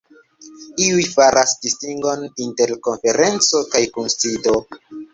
Iuj faras distingon inter konferenco kaj kunsido.